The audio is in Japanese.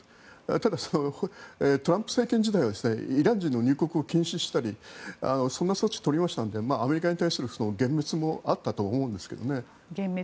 ただ、トランプ政権時代はイラン人の入国を禁止したりそんな措置を取りましたのでアメリカに対する幻滅もあったと思うんですね。